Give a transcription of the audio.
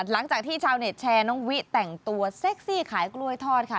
หลังจากที่ชาวเน็ตแชร์น้องวิแต่งตัวเซ็กซี่ขายกล้วยทอดค่ะ